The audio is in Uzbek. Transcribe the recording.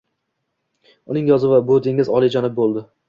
Uning yozuvi, "Bu dengiz oliyjanob", bõldi